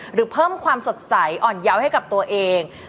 หรือเพิ่มความสดใสอ่อนเยาว์ให้กับตัวเอง